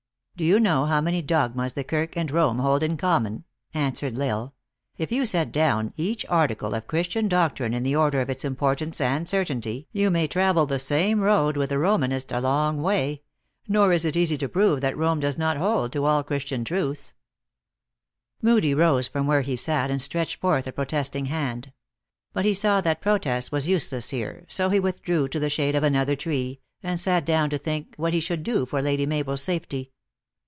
" Do you know how many dogmas the Kirk and Rome hold in common ?" answered L Isle. " If you set down each article of Christian doctrine in the or der of its importance and certainty, you may travel the same road with the Romanist a long way ; nor is it easy to prove that Rome does not hold to all Chris tian truths." Moodie rose from where he sat and stretched forth a protesting hand. But he saw that protest was use less here, so he withdrew to the shade of another tree? and sat down to think what he should do for Lady Mabel s safety.